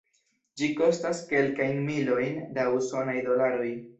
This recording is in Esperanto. Ĝi kostas kelkajn milojn da usonaj dolaroj.